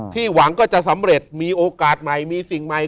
หวังก็จะสำเร็จมีโอกาสใหม่มีสิ่งใหม่